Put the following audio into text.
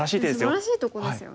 すばらしいとこですよね。